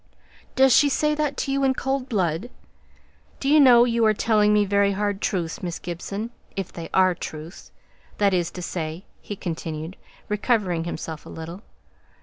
"Does she say that to you in cold blood? Do you know you are telling me very hard truths, Miss Gibson? If they are truths, that is to say," he continued, recovering himself a little.